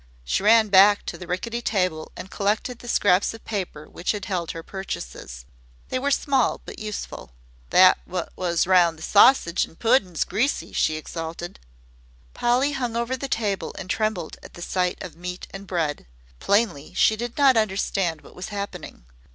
She ran back to the rickety table and collected the scraps of paper which had held her purchases. They were small, but useful. "That wot was round the sausage an' the puddin's greasy," she exulted. Polly hung over the table and trembled at the sight of meat and bread. Plainly, she did not understand what was happening.